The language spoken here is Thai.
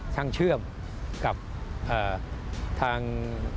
เชื่อมกับทาง